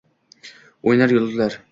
O’ynar yulduzlar.